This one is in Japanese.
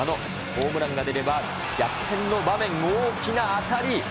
ホームランが出れば逆転の場面、大きな当たり。